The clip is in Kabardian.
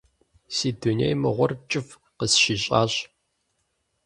Си дуней мыгъуэр кӀыфӀ къысщищӀащ…